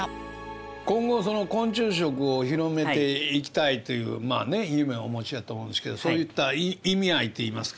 今後昆虫食を広めていきたいっていう夢をお持ちやと思うんですけどそういった意味合いっていいますか。